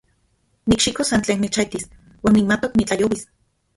Nikxikos san tlen nechaijtis uan nimatok nitlajyouis.